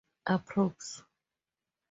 Approx.